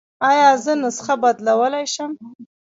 ایا زه نسخه بدلولی شم؟